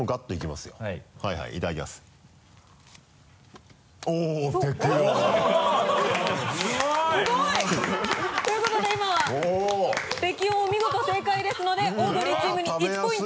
すごい！ということで今は適温を見事正解ですのでオードリーチームに１ポイント。